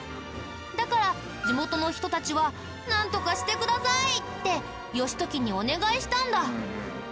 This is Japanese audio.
だから地元の人たちは「なんとかしてください」って義時にお願いしたんだ。